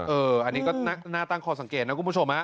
อันนี้ก็น่าตั้งคอสังเกตนะคุณผู้ชม